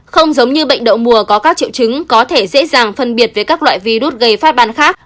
không giống như bệnh đậu mùa có các triệu chứng có thể dễ dàng phân biệt với các loại virus gây phát ban khác